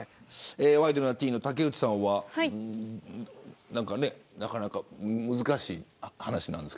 ワイドナティーンの竹内さんはなかなか難しい話なんですけど。